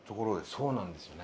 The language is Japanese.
そうなんですよね。